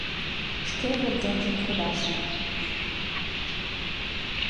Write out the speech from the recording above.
Шке вургемжым кудаше